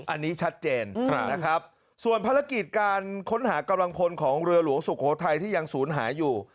อันนี้ชัดเจนนะครับส่วนภารกิจการค้นหากำลังพลของเรือหลวงสุโขทัยที่ยังศูนย์หายอยู่